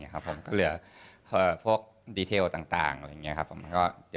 ผมก็เหลือพวกดีเทลต่างอะไรอย่างนี้ครับผม